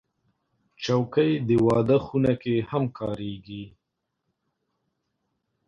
چوکۍ د واده خونه کې هم کارېږي.